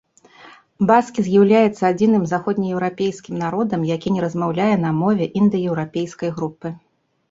Баскі з'яўляецца адзіным заходнееўрапейскі народам, які не размаўляе на мове індаеўрапейскай групы.